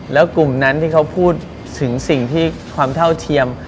แล้วกลุ่มนั้นที่เขาพูดถึงสิ่งที่ความเท่าเทียม